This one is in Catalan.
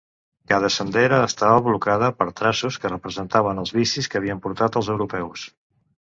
Cada sendera estava blocada per "traços" que representaven els vicis que havien portat els europeus.